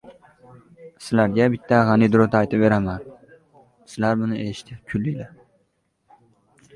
— Odamning avliyosini uchratmadim;